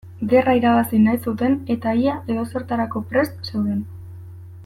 Gerra irabazi nahi zuten eta ia edozertarako prest zeuden.